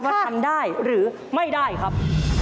ทำได้หรือไม่ได้ครับ